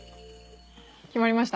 決まりました？